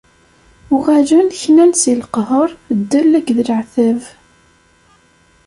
Uɣalen knan si leqher, ddel akked leɛtab.